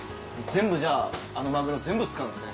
全部じゃああのマグロ全部使うんですね。